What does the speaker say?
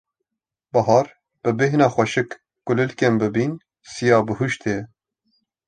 Bihar; bi bêhna xweşik, kulîlkên bibîn, siya bihuştê ye.